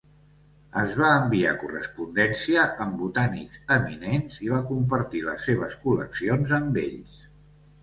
Es va enviar correspondència amb botànics eminents i va compartir les seves col·leccions amb ells.